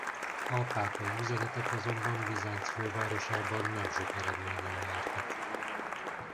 A pápai üzenetek azonban Bizánc fővárosában nem sok eredménnyel jártak.